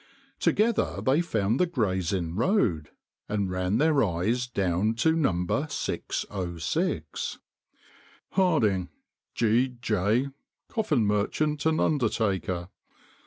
Together they found the Gray's Inn Road, and ran their eyes down to No. 606. "'Harding, G. J., Coffin Merchant and Undertaker.'